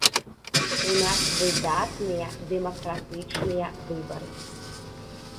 У нас выдатныя дэмакратычныя выбары.